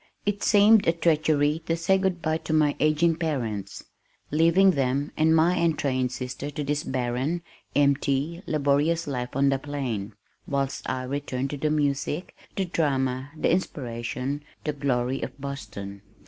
It seemed a treachery to say good bye to my aging parents, leaving them and my untrained sister to this barren, empty, laborious life on the plain, whilst I returned to the music, the drama, the inspiration, the glory of Boston.